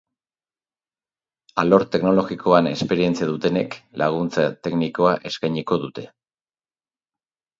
Alor teknologikoan esperientzia dutenek laguntza teknikoa eskainiko dute.